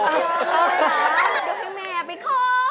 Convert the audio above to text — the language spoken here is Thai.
เดี๋ยวให้แม่ไปขอ